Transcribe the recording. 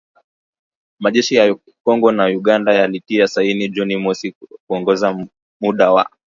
majeshi ya Kongo na Uganda yalitia saini Juni mosi kuongeza muda wa